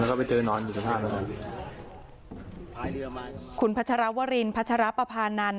แล้วก็ไปเจอนอนอยู่สภาพตรงนั้นภายเรือมาคุณพัชรวรินพัชรปภานันท